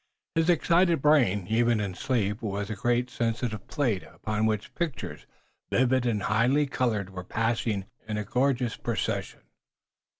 His excited brain, even in sleep, was a great sensitive plate, upon which pictures, vivid and highly colored, were passing in a gorgeous procession.